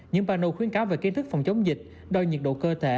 những bà nội khuyến cáo về kiến thức phòng chống dịch đo nhiệt độ cơ thể